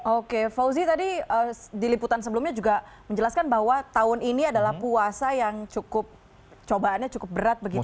oke fauzi tadi di liputan sebelumnya juga menjelaskan bahwa tahun ini adalah puasa yang cukup cobaannya cukup berat begitu ya